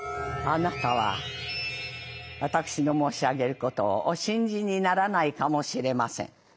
「あなたは私の申し上げることをお信じにならないかもしれません。